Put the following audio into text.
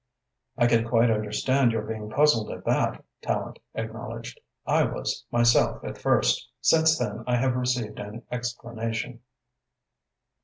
"I can quite understand your being puzzled at that," Tallente acknowledged. "I was myself at first. Since then I have received an explanation."